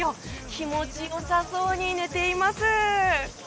気持ちよさそうに寝ています。